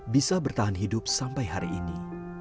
bisa bertahan hidup sampai hari ini